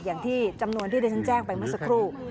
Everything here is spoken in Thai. อย่างที่จำนวนที่ที่ฉันแจ้งไปเมื่อสักครู่